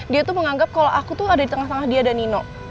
dia tuh menganggap kalau aku tuh ada di tengah tengah dia ada nino